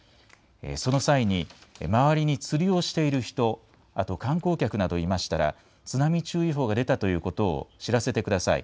その際に周りに釣りをしている人、あと観光客などいましたら、津波注意報が出たということを知らせてください。